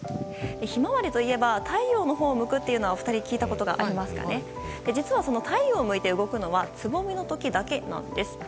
ヒマワリといえば太陽を向くというのはお二人も聞いたことがあるかと思うんですが実は、太陽を向いて動くのはつぼみの時だけなんです。